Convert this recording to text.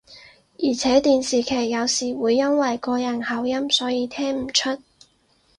而且電視劇有時會因為個人口音所以聽唔出